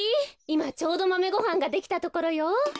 いまちょうどマメごはんができたところよ。